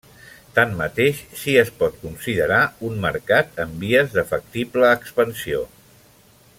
Tanmateix, si es pot considerar un mercat en vies de factible expansió.